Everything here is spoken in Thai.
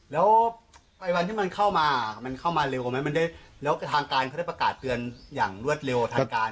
แล้วไฟวันที่มันเข้ามามันเข้ามาเร็วกว่าไหมมันได้แล้วทางการเขาได้ประกาศเตือนอย่างรวดเร็วทางการ